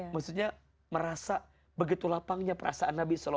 maksudnya merasa begitu lapangnya perasaan nabi